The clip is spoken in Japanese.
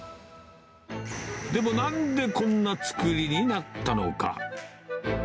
でも、なんでこんな作りになったのか。